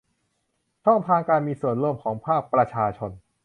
ช่องทางการมีส่วนร่วมของภาคประชาชน